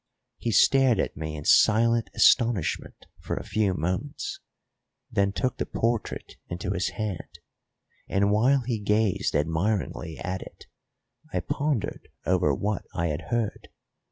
He stared at me in silent astonishment for a few moments, then took the portrait into his hand; and while he gazed admiringly at it I pondered over what I had heard.